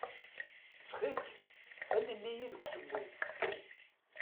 Ttxil-k, alel-iyi deg ussewwi.